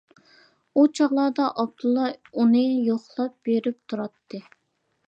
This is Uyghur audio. ئۇ چاغلاردا ئابدۇللا ئۇنى يوقلاپ بېرىپ تۇراتتى.